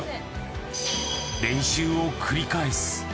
練習を繰り返す。